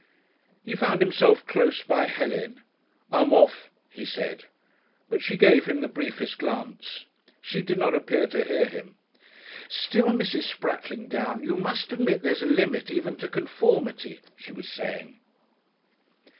He found himself close by Helen. "I'm orf," he said, but she gave him the briefest glance. She did not appear to hear him. "Still, Mr. Spratlingdown, you must admit there's a limit even to conformity," she was saying....